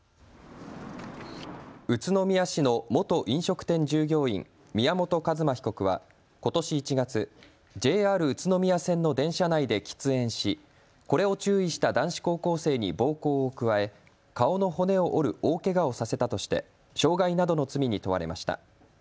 宇都宮市の元飲食店従業員、宮本一馬被告は、ことし１月、ＪＲ宇都宮線の電車内で喫煙しこれを注意した男子高校生に暴行を加え顔の骨を折る大けがをさせたとして傷害などの罪に問われました。